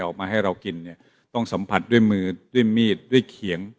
ออกมาให้เรากินเนี่ยต้องสัมผัสด้วยมือด้วยมีดด้วยเขียง